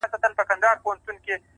اوس مي نو ومرگ ته انتظار اوسئ،